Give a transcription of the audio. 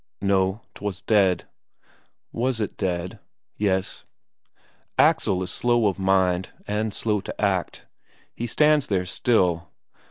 "No. Twas dead." "Was it dead?" "Yes." Axel is slow of mind, and slow to act. He stands there still.